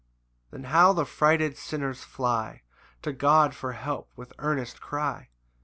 4 Then how the frighted sinners fly To God for help with earnest cry!